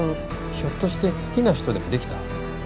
ひょっとして好きな人でもできた？